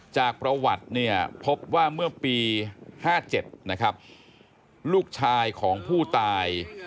จากประวัติพบว่าเมื่อปี๕๗ลูกชายของผู้ตาย